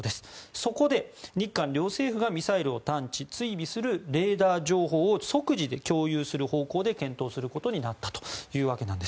そこで日韓両政府がミサイルを探知・追尾するレーダー情報を即時で共有する方向で検討することになったというわけなんです。